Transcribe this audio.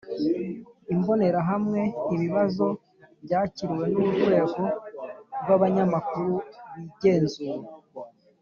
Imbonerahamwe ibibazo byakiriwe n urwego rw abanyamakuru bigenzura